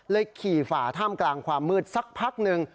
ขี่ฝ่าท่ามกลางความมืดสักพักหนึ่ง